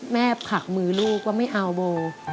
ผลักมือลูกว่าไม่เอาโบ